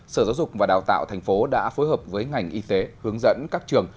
sở giáo dục và đào tạo thành phố đã phối hợp với ngành y tế hướng dẫn các trường